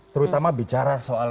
terutama bicara soal